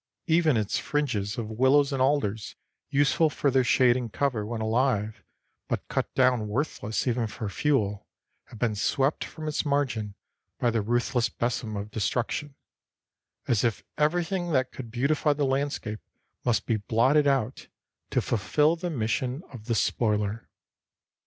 Even its fringes of willow and alders, useful for their shade and cover when alive, but cut down worthless even for fuel, have been swept from its margin by the ruthless besom of destruction, as if everything that could beautify the landscape must be blotted out to fulfill the mission of the spoiler.